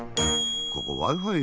ここＷｉ−Ｆｉ